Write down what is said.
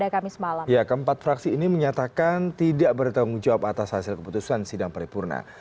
keempat fraksi ini menyatakan tidak bertanggung jawab atas hasil keputusan sidang paripurna